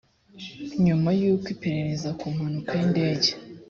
nyuma y uko iperereza ku mpanuka y indege